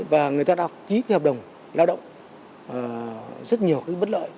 và người ta đã ký cái hợp đồng lao động rất nhiều cái bất lợi